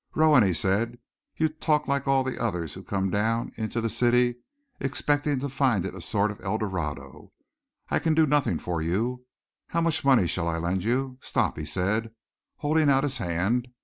"Rowan," he said, "you talk like all the others who come down into the city expecting to find it a sort of Eldorado. I can do nothing for you. How much money shall I lend you? Stop!" he said, holding out his hand.